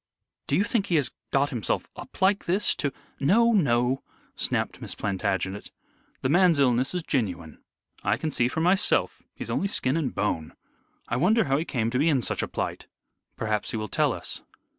"Do you think he has got himself up like this to " "No, no!" snapped Miss Plantagenet, "the man's illness is genuine. I can see for myself, he's only skin and bone. I wonder how he came to be in such a plight?" "Perhaps he will tell us."